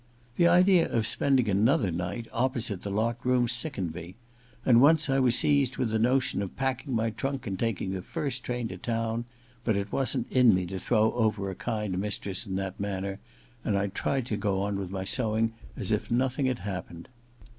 The idea of spending another night opposite the locked room sickened me, and once I was seized with the notion of packing my trunk and taking the first train to town ; but it wasn't in me to throw over a kind mistress in that manner, and I tried to go on with my sewing as if nothing had happened.